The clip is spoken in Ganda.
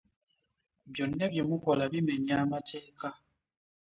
Byonna bye mukola bimenya mateeka.